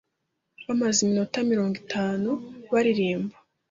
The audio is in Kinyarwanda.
Bamaze iminota mirongo itatu baririmba.